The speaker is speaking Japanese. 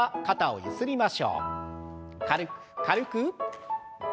軽く軽く。